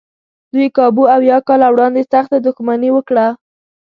دوی کابو اویا کاله وړاندې سخته دښمني وکړه.